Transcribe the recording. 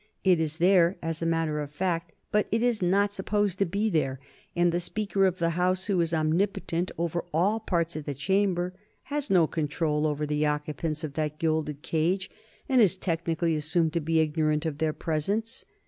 It is there, as a matter of fact, but it is not supposed to be there, and the Speaker of the House, who is omnipotent over all other parts of the chamber, has no control over the occupants of that gilded cage, and is technically assumed to be ignorant of their presence.